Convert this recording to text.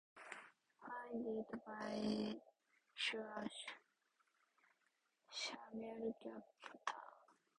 Founded by Suresh Shyamlal Gupta.